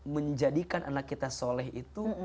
menjadikan anak kita soleh itu